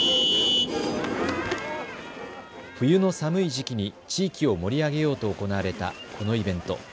冬の寒い時期に地域を盛り上げようと行われたこのイベント。